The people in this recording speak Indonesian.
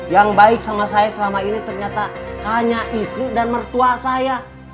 yang baik sama saya selama ini ternyata hanya istri dan mertua saya